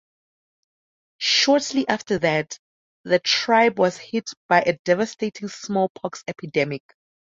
Shortly after that, the tribe was hit by a devastating smallpox epidemic.